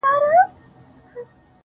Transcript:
گراني فريادي دي بـېــگـــاه وويل~